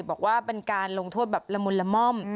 บอกว่าเป็นการลงโทษแบบละมุนละม่อม